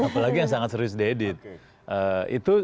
apalagi yang sangat serius diedit